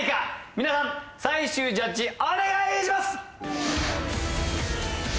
皆さん最終ジャッジお願いします！